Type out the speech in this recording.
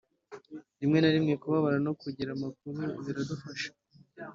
rimwe na rimwe kubabara no kugira amakuba biradufasha